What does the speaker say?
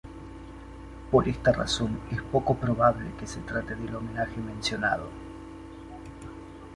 Por esta razón es poco probable que se trate del homenaje mencionado.